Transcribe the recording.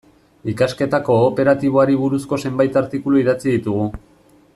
Ikasketa kooperatiboari buruzko zenbait artikulu idatzi ditugu.